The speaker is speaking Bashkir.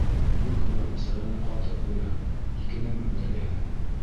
Бюхнер мәсьәләне ҡаты ҡуя: икенең береһе!